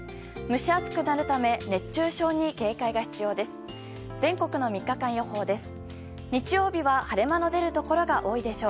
蒸し暑くなるため熱中症に警戒が必要です。